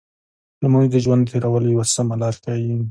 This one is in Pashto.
لمونځ د ژوند تېرولو یو سمه لار ښيي.